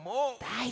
はい。